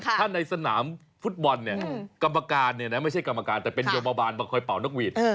ถ้าในสนามฟุตบอลกรรมการไม่ใช่กรรมการแต่เป็นโยมบาลบังคอยเป่านักวีต